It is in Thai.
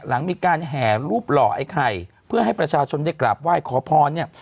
หลังมีการแห่รูปหล่อไอ้ไข่เพื่อให้ประชาชนได้กราบไหว้ขอพรเนี่ย